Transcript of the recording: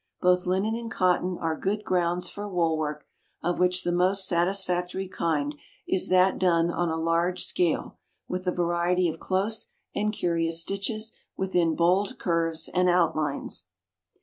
Both linen and cotton are good grounds for wool work, of which the most satisfactory kind is that done on a large scale, with a variety of close and curious stitches within bold curves and outlines.